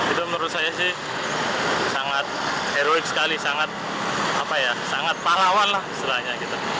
itu menurut saya sih sangat heroik sekali sangat pahlawan lah istilahnya gitu